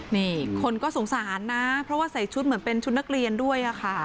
นี่คนก็สงสารนะเพราะว่าใส่ชุดเหมือนเป็นชุดนักเรียนด้วยค่ะ